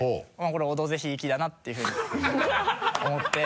これ「オドぜひ」行きだなっていうふうに思って。